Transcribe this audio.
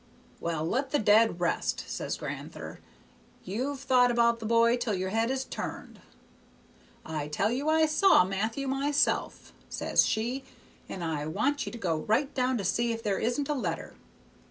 'Well, let the dead rest,' says gran'ther; 'you've thought about the boy till your head is turned.' 'I tell you I saw Matthew himself,' says she, 'and I want you to go right down to see if there isn't a letter.'